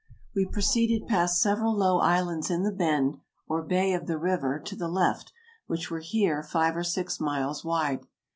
We proceeded past sev eral low islands in the bend or bay of the river to the left, which were here five or six miles wide.